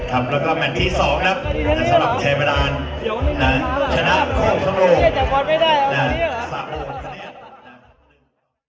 ครับแล้วก็แหม่นที่สองนะครับสำหรับแทนประดานนะชนะแต่ไม่ได้น่ะสามโลกคันเนี้ย